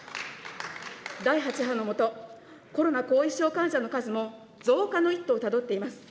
第８波の下、コロナ後遺症患者の数も増加の一途をたどっています。